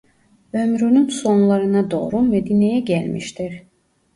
Ömrünün sonlarına doğru Medine'ye gelmiştir.